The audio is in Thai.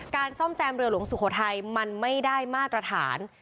ซ่อมแซมเรือหลวงสุโขทัยมันไม่ได้มาตรฐาน